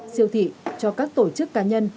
siêu thị cho các tổ chức cá nhân